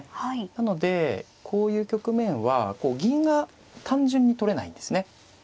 なのでこういう局面はこう銀が単純に取れないんですね。